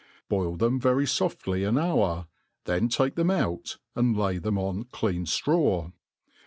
Boil them very fofdy an hour ; then take them oat, and lay xYstm gii clean ftraw.